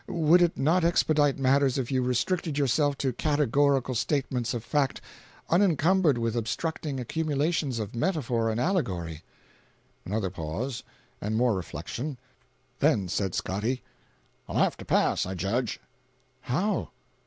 Would it not expedite matters if you restricted yourself to categorical statements of fact unencumbered with obstructing accumulations of metaphor and allegory?" Another pause, and more reflection. Then, said Scotty: "I'll have to pass, I judge." "How?"